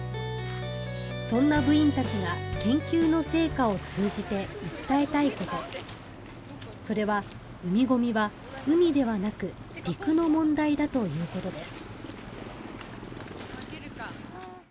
そんな部員たちが研究の成果を通じて訴えたいことそれは、海ゴミは海ではなく、陸の問題だということです。